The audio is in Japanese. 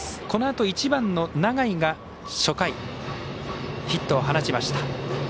このあと、１番の永井が初回ヒットを放ちました。